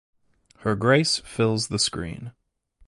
Her grace fills the screen.